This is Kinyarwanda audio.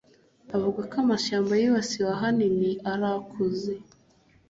avuga ko amashyamba yibasiwe ahanini ari akuze